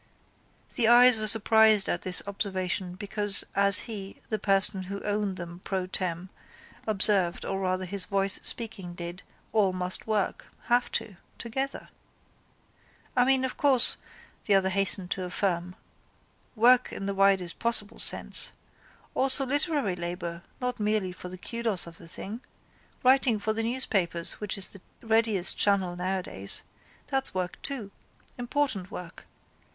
The eyes were surprised at this observation because as he, the person who owned them pro tem. observed or rather his voice speaking did, all must work, have to, together. —I mean, of course, the other hastened to affirm, work in the widest possible sense. Also literary labour not merely for the kudos of the thing. Writing for the newspapers which is the readiest channel nowadays. That's work too. Important work.